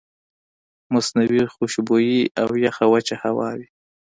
مصنوعي خوشبويئ او يخه وچه هوا وي